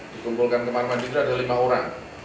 dikumpulkan kemarin marin ini ada lima orang